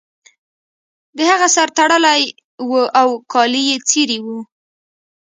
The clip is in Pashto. د هغه سر تړلی و او کالي یې څیرې وو